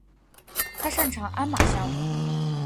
他擅长鞍马项目。